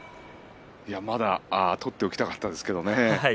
まだ取っておきたかったですけれどね。